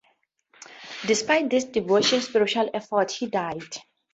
Despite these devoted spiritual efforts, he died.